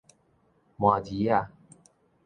麻兒仔